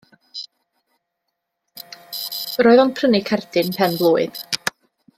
Roedd o'n prynu cerdyn pen-blwydd.